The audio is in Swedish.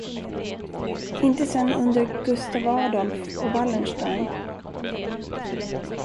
Inte sen under Gustav Adolf och Wallenstein.